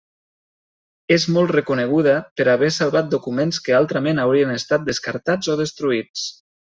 És molt reconeguda per haver salvat documents que altrament haurien estat descartats o destruïts.